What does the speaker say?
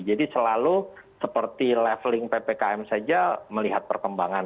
jadi selalu seperti leveling ppkm saja melihat perkembangan